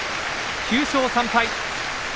９勝３敗。